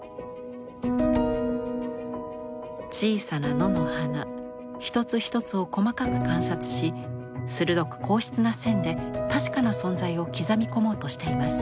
小さな野の花一つ一つを細かく観察し鋭く硬質な線で確かな存在を刻み込もうとしています。